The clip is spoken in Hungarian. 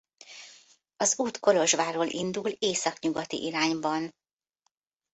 Az út Kolozsvárról indul északnyugati irányban.